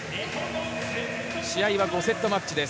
試合は５セットマッチです。